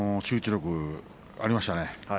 集中力ありましたね